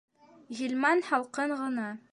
Ғилман һалҡын ғына: